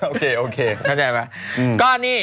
โอเค